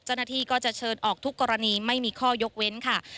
เจ้าหน้าที่ก็จะเชิญออกทุกกรณีไม่มีข้อยกเว้นค่ะ